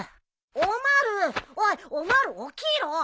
おまるおいおまる起きろ！